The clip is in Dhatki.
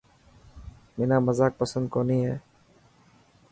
منا مزاڪ پسند ڪونه هي.